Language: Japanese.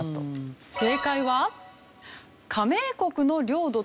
正解は。